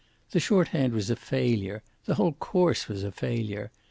The shorthand was a failure; the whole course was a failure.